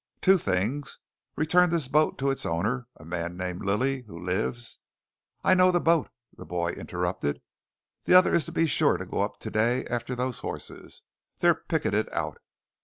"Two things: return this boat to its owner a man named Lilly who lives " "I know the boat," the boy interrupted. "The other is to be sure to go up to day after those horses. They're picketed out."